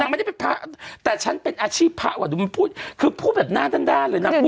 ไม่ได้เป็นพระแต่ฉันเป็นอาชีพพระว่ะดูมันพูดคือพูดแบบหน้าด้านเลยนะ